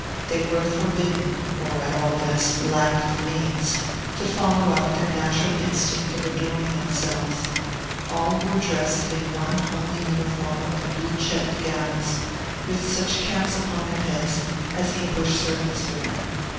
They were forbidden, or, at all events, lacked the means, to follow out their natural instinct of adorning themselves; all were dressed in one homely uniform of blue checked gowns, with such caps upon their heads as English servants wear.